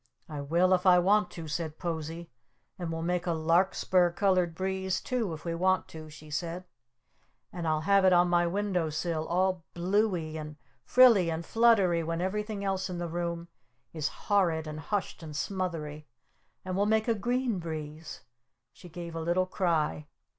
"I will if I want to!" said Posie. "And we'll make a Larkspur Colored Breeze too, if we want to!" she said. "And I'll have it on my window sill all blue y and frilly and fluttery when everything else in the room is horrid and hushed and smothery! And we'll make a Green Breeze " She gave a little cry.